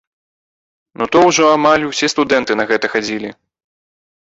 Ну то ўжо амаль усе студэнты на гэта хадзілі.